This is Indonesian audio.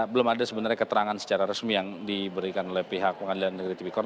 belum ada sebenarnya keterangan secara resmi yang diberikan oleh pihak pengadilan negeri tipikor